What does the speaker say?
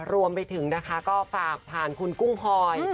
รวมไปถึงนะคะก็ฝากผ่านคุณกุ้งพลอย